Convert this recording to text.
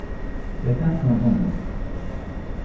C’est un fond d’ombre.